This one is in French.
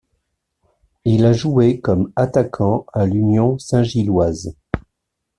Il a joué comme attaquant à l'Union Saint-Gilloise.